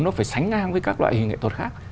nó phải sánh ngang với các loại hình nghệ thuật khác